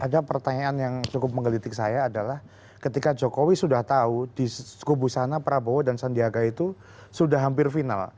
hanya pertanyaan yang cukup menggelitik saya adalah ketika jokowi sudah tahu di kubu sana prabowo dan sandiaga itu sudah hampir final